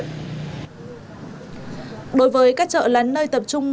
đối với các chợ lán nơi tập trung